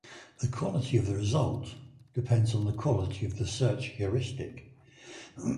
The quality of the result depends on the quality of the search heuristic.